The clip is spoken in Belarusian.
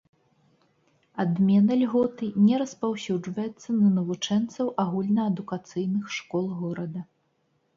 Адмена льготы не распаўсюджваецца на навучэнцаў агульнаадукацыйных школ горада.